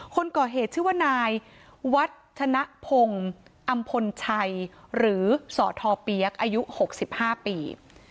คนก่อเหตุชื่อว่านายวัฒนภงอำพลชัยหรือสทเปี๊ยกอายุ๖๕ปี